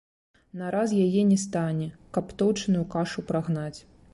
На раз яе не стане, каб тоўчаную кашу прагнаць.